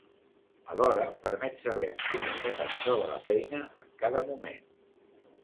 Alhora, permet saber en quin estat es troba la feina en cada moment.